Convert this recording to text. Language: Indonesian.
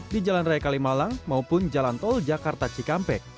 di jalan raya kalimalang maupun jalan tol jakarta cikampek